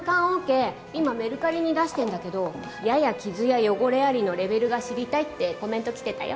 今メルカリに出してるんだけど「やや傷や汚れあり」のレベルが知りたいってコメント来てたよ。